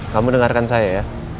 kamu dengarkan saya ya